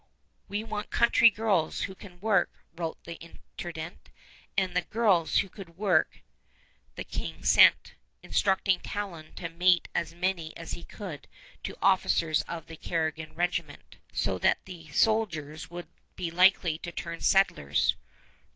"We want country girls, who can work," wrote the Intendant; and girls who could work the King sent, instructing Talon to mate as many as he could to officers of the Carignan Regiment, so that the soldiers would be likely to turn settlers.